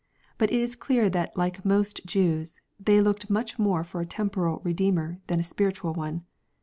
But it is clear that like most Jews, they looked much more for a tem poral Redeemer than a spiritual one.